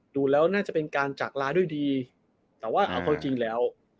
ดูแล้วน่าจะเป็นการจากลาด้วยดีแต่ว่าเอาเข้าจริงแล้ว